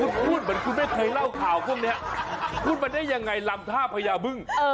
คุณพูดเหมือนคุณไม่เคยเล่าข่าวพวกนี้พูดมาได้ยังไงลำท่าพญาบึ้ง